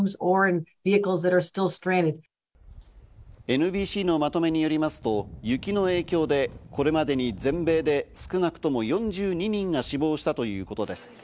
ＮＢＣのまとめによりますと、雪の影響でこれまでに全米で少なくとも４２人が死亡したということです。